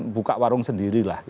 buka warung sendiri lah